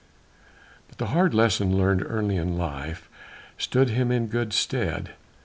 But the hard lesson learned early in life stood him in good stead.